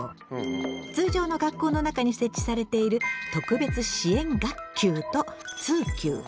通常の学校の中に設置されている「特別支援学級」と「通級」。